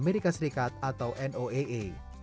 amerika serikat atau noaa